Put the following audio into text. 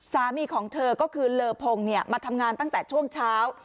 สามีของเธอก็คือเลอพงมาทำงานตั้งแต่ช่วงเช้า